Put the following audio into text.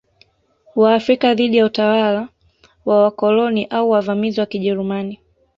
Waafrika dhidi ya utawala wa wakoloni au wavamizi wa Kijerumani